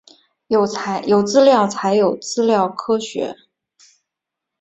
有资料才有资料科学